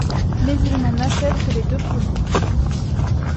Mais il n’en n’achève que les deux premiers.